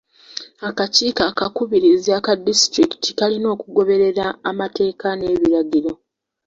Akakiiko akakubirizi aka disitulikiti kalina okugoberera amateeka n'ebiragiro.